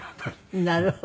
なるほどね。